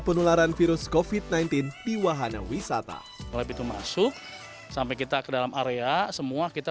penularan virus kofit sembilan belas di wahana wisata oleh pintu masuk sampai kita ke dalam area semua kita